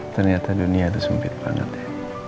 ternyata dunia itu sempit banget ya